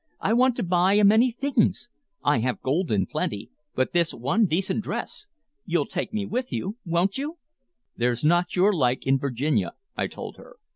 I want to buy a many things. I have gold in plenty, and but this one decent dress. You'll take me with you, won't you?" "There's not your like in Virginia," I told her.